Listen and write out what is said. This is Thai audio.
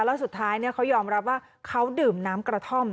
แล้วสุดท้ายเขายอมรับว่าเขาดื่มน้ำกระท่อม